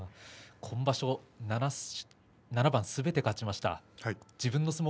今場所７番すべて勝ちました。